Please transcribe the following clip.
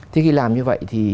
thì khi làm như vậy